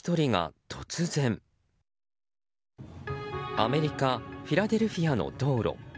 アメリカフィラデルフィアの道路。